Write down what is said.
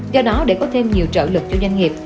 do đó để có thêm nhiều trợ lực cho doanh nghiệp